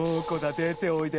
出ておいで。